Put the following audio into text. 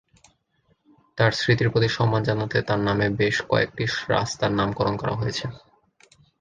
তার স্মৃতির প্রতি সম্মান জানাতে তার নামে বেশ কয়েকটি রাস্তার নামকরণ করা হয়েছে।